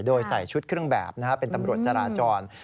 โดยใส่ชุดเครื่องแบบเป็นตำรวจจราจร